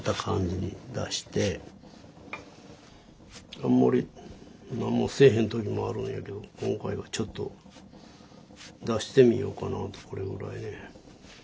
あんまり何もせえへんときもあるんやけど今回はちょっと出してみようかなとこれぐらいね。